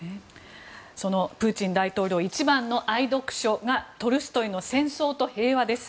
そのプーチン大統領一番の愛読書がトルストイの「戦争と平和」です。